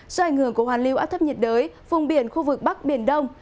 do ảnh hưởng của hoàn lưu áp thấp nhiệt đới vùng biển khu vực bắc biển đông